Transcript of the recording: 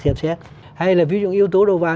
xem xét hay là ví dụ yếu tố đầu vào